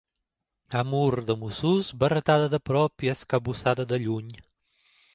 Amor de mossons, barretada de prop i escabussada de lluny.